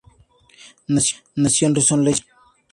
Nació en Rishon Lezion, Israel.